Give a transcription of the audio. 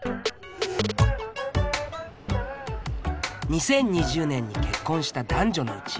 ２０２０年に結婚した男女のうち